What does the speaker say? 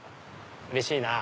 うれしいな。